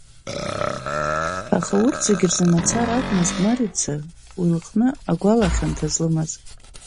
Аха урҭ зегьы рзы мацара акәмызт Марица уи лыҟны агәала хьанҭа злымаз.